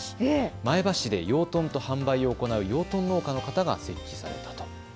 前橋市で養豚と販売を行う養豚農家の方が設置されたと。